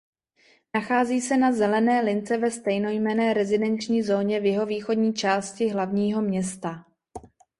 Nachází se na zelené lince ve stejnojmenné rezidenční zóně v jihovýchodní části hlavního města.